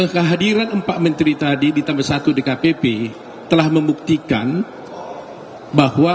kehadiran empat menteri tadi ditambah satu dkpp telah membuktikan bahwa